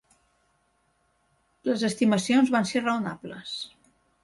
Les estimacions van ser raonables.